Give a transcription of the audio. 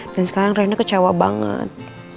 dan sekarang reina kecewa banget